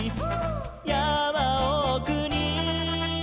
「やまおくに」